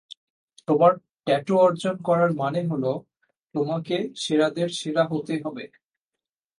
তোমার ট্যাটু অর্জন করার মানে হলো, তোমাকে সেরাদের সেরা হতে হবে।